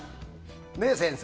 ねえ、先生？